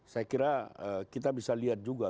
saya kira kita bisa lihat juga